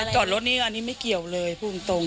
จอดรถนี่อันนี้ไม่เกี่ยวเลยพูดตรง